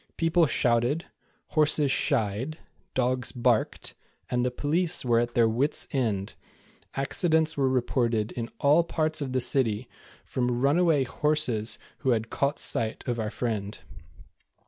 People shouted, horses shied, dogs barked, and the police were at their wit's end. Accidents were reported in all parts of the city, from runaway horses who had caught sight of our friend.